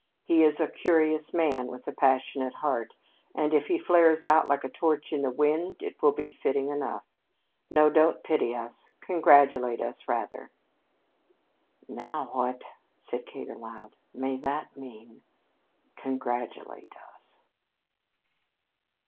He is a curious man, with a passionate soul, and if he flares out like a torch in the wind, it will be fitting enough. No, don't pity us. Congratulate us rather." "Now what," said Kate aloud, "may that mean?" "Congratulate us!"